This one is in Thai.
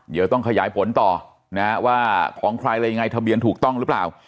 เดี๋ยวต้องขยายผลต่อนะว่าของใครอะไรยังไงทะเบียนถูกต้องหรือเปล่า